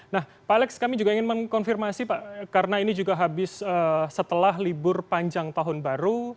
nah pak alex kami juga ingin mengkonfirmasi pak karena ini juga habis setelah libur panjang tahun baru